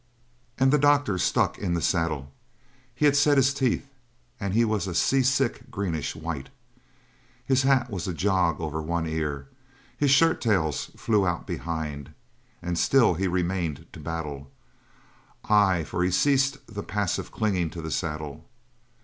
And the doctor stuck in the saddle. He had set his teeth, and he was a sea sick greenish white. His hat was a jog over one ear his shirt tails flew out behind. And still he remained to battle. Aye, for he ceased the passive clinging to the saddle.